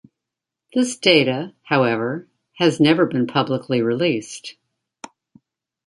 This data, however, has never been publicly released.